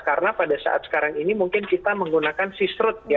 karena pada saat sekarang ini mungkin kita menggunakan sisrut ya